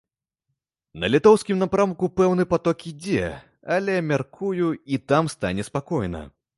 На літоўскім напрамку пэўны паток ідзе, але, мяркую, і там стане спакойна.